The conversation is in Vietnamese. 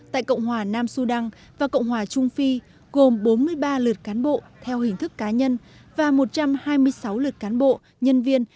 tại cộng hòa nam sudan và cộng hòa trung phi gồm bốn mươi ba lượt cán bộ theo hình thức cá nhân và một trăm hai mươi sáu lượt cán bộ nhân viên